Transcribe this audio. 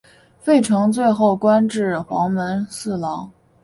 费承最后官至黄门侍郎。